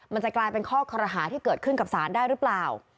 มันจะกลายเป็นข้อคอรหาที่เกิดขึ้นกับศาลได้หรือเปล่า